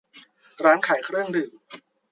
ร้านขายเครื่องดื่ม